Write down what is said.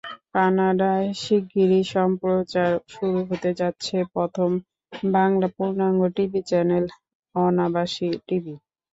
কানাডায় শিগগিরই সম্প্রচার শুরু হতে যাচ্ছে প্রথম বাংলা পূর্ণাঙ্গ টিভি চ্যানেল অনাবাসী টিভি।